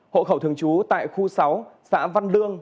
hộ khẩu thường trú tại khu sáu xã văn lương